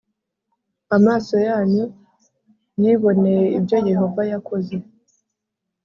Amaso yanyu yiboneye ibyo Yehova yakoze